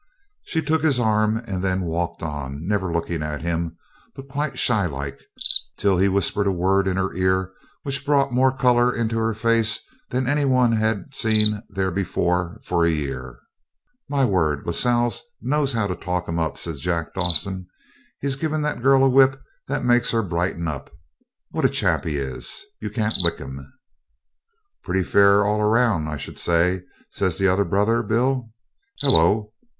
She took his arm then and walked on, never looking at him, but quite shy like, till he whispered a word in her ear which brought more colour into her face than any one had seen there before for a year. 'My word, Lascelles knows how to talk to 'em,' says Jack Dawson. 'He's given that girl a whip that makes her brighten up. What a chap he is; you can't lick him.' 'Pretty fair all round, I should say,' says the other brother, Bill. 'Hullo!